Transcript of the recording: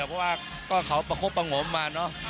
เพราะว่าก็เขาประคบประงมมาเนอะ